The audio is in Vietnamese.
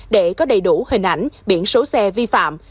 để có đầy đủ hình ảnh biển số xe vi phạm